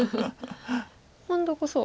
今度こそ。